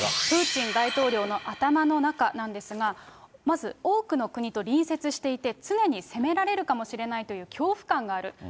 プーチン大統領の頭の中なんですが、まず多くの国と隣接していて、常に攻められるかもしれないという恐怖感がある。